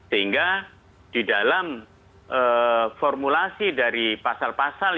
sehingga di dalam formulasi dari pasal pasal